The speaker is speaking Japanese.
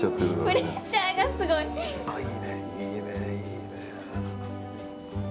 プレッシャーがすごい。